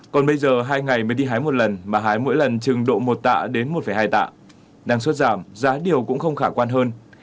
còn bây giờ hai ngày mới đi hái một lần mà hái mỗi lần trừng độ một tạ đến một hai tạ năng suất giảm giá điều cũng không khả quan hơn